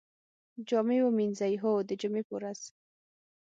جامی ومینځئ؟ هو، د جمعې په ورځ